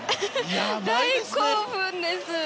大興奮です！